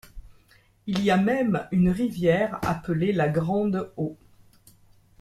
Il y a même une rivière, appelée la Grande-Eau.